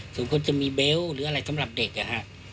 สมควรจะมีเบลต์หรืออะไรสำหรับเด็กอะฮะ